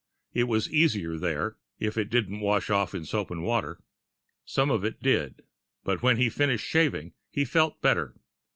It was easier there, if it didn't wash off in soap and water. Some of it did, but when he finished shaving, he felt better.